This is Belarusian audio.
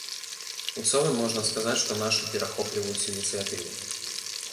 У цэлым можна сказаць, што нашы перахопліваюць ініцыятыву.